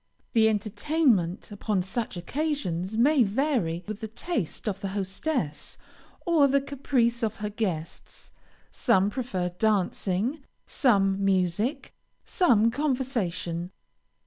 The entertainment upon such occasions, may vary with the taste of the hostess, or the caprice of her guests. Some prefer dancing, some music, some conversation.